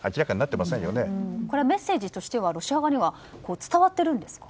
メッセージとしてはロシア側には伝わっているんですか？